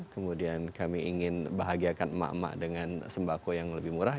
kemudian kami ingin bahagiakan emak emak dengan sembako yang lebih murah